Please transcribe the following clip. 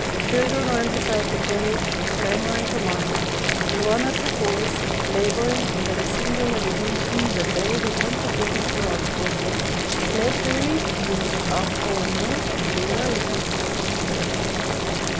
Chil dren ran beside the carriage clamoring for money, and one or two boys, laboring under the singular delusion that they were contributing to our pleasure, played the reed flute after a most weary and distressing fashion.